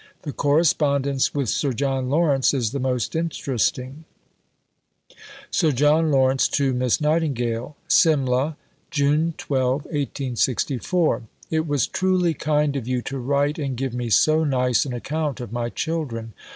The correspondence with Sir John Lawrence is the most interesting: (Sir John Lawrence to Miss Nightingale.) SIMLEH, June 12 . It was truly kind of you to write and give me so nice an account of my children....